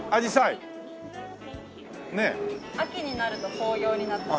秋になると紅葉になったり。